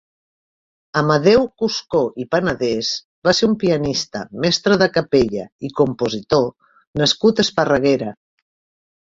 Amadeu Cuscó i Panadès va ser un pianista, mestre de capella i compositor nascut a Esparreguera.